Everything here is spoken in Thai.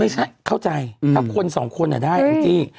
ไม่ใช่เข้าใจครับคน๒คนน่ะได้